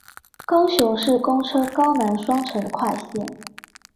高雄市公車高南雙城快線